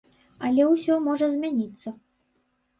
Але ўсё можа змяніцца.